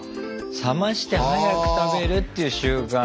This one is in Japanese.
冷まして早く食べるっていう習慣。